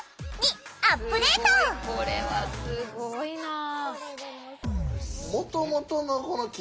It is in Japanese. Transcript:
すごいこれはすごいなあ。